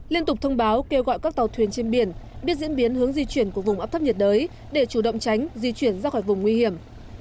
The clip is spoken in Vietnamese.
liên tục thông báo kêu gọi các tàu thuyền trên biển biết diễn biến hướng di chuyển của vùng áp thấp nhiệt đới để chủ động tránh di chuyển ra khỏi vùng nguy hiểm